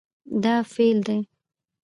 دا فعل دی